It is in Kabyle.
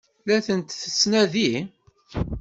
La tent-tettnadi?